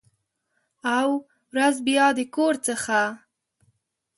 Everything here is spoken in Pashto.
او، ورځ بیا د کور څخه